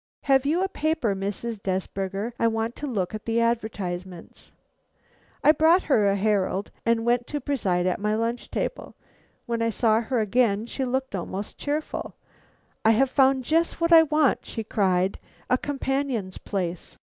Have you a paper, Mrs. Desberger, I want to look at the advertisements?' I brought her a Herald and went to preside at my lunch table. When I saw her again she looked almost cheerful. 'I have found just what I want,' she cried, 'a companion's place.